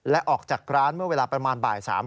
และออกจากร้านเมื่อเวลาประมาณบ่าย๓